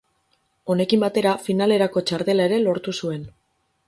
Honekin batera finalerako txartela ere lortu zuen.